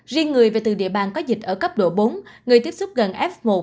riêng người về từ địa bàn có dịch ở cấp độ bốn người tiếp xúc gần f một